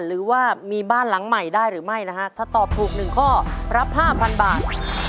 หรือว่ามีบ้านหลังใหม่ได้หรือไม่นะฮะถ้าตอบถูก๑ข้อรับ๕๐๐บาท